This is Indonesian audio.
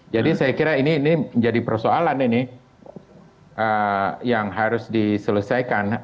jadi saya kira ini menjadi persoalan ini yang harus diselesaikan